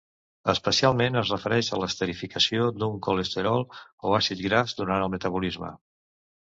Especialment es refereix a l'esterificació d'un colesterol o àcid gras durant el metabolisme.